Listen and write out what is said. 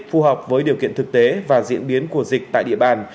phù hợp với điều kiện thực tế và diễn biến của dịch tại địa bàn